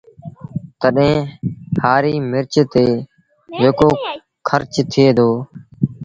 تڏهيݩ هآريٚ مرچ تي جيڪو کرچ ٿئي دو